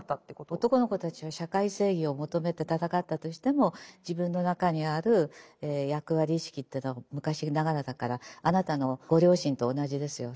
男の子たちは社会正義を求めて闘ったとしても自分の中にある役割意識というのは昔ながらだからあなたのご両親と同じですよ。